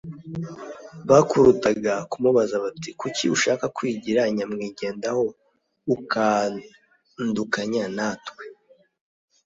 Bakurudaga kumubaza bati: "kuki ushaka kwigira nyamwigendaho, ukuandukanya natwe?